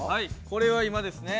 これは今ですね